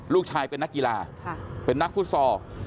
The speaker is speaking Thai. ลูกชายเป็นนักกีฬาเป็นนักฟุตซอล